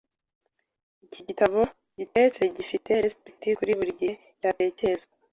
Iki gitabo gitetse gifite resept kuri buri gihe cyatekerezwa.